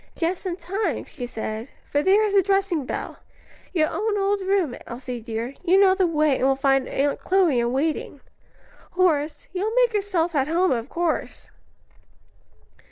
"Just in time," she said, "for there is the dressing bell. Your own old room, Elsie dear: you know the way and will find Aunt Chloe in waiting. Horace, you will make yourself at home of course."